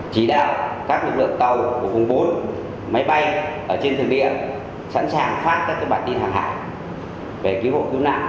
chỉ đạo các lực lượng tàu của vùng bốn máy bay trên thực địa sẵn sàng phát các bản tin hàng hải về cứu hộ cứu nạn